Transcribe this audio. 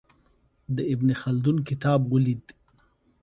د ابن خلدون کتاب ولید.